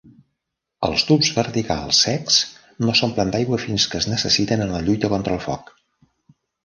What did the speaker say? Els tubs verticals secs no s'omplen d'aigua fins que es necessiten en la lluita contra el foc.